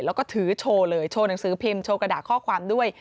แล้วก็ถือโชว์เลยโชว์หนังสือพิมพ์โชว์กระดาษข้อความด้วย